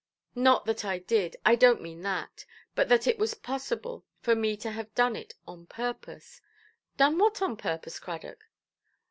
"Not that I did—I donʼt mean that—but that it was possible for me to have done it on purpose"? "Done what on purpose, Cradock"?